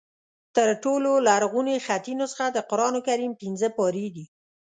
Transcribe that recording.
تر ټولو لرغونې خطي نسخه د قرآن کریم پنځه پارې دي.